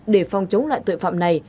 để phòng chống loại tội phạm này